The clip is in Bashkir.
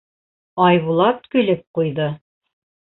Айбулат көлөп ҡуйҙы.